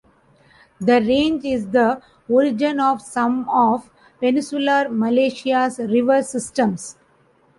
The range is the origin of some of Peninsular Malaysia's river systems.